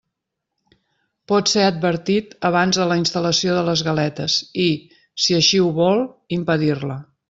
Pot ser advertit abans de la instal·lació de les galetes i, si així ho vol, impedir-la.